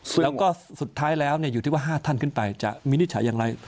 แล้วก็สุดท้ายแล้วอยู่ที่ว่า๕ท่านขึ้นไปจะวินิจฉัยอย่างไร